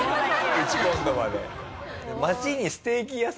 １ポンドまで。